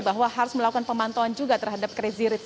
bahwa harus melakukan pemantauan juga terhadap crazy rich